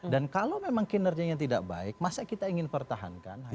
dan kalau memang kinerjanya tidak baik masa kita ingin pertahankan